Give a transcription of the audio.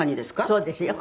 そうですよ。